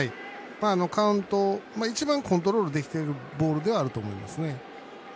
カウント一番コントロールできてるボールではあると思いますね。